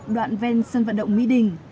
đoạn ven sân vận động mỹ đình